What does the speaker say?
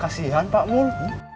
kasian pak mul